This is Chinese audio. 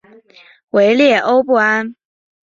维列欧布安。